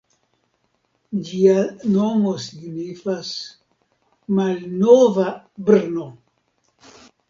Ĝia nomo signifas "malnova Brno".